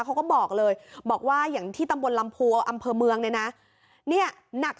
เขาก็บอกเลยบอกว่าอย่างที่ตำบลลำพูอำเภอเมืองเนี่ยนะเนี่ยหนัก